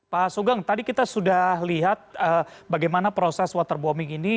pak sugeng tadi kita sudah lihat bagaimana proses waterbombing ini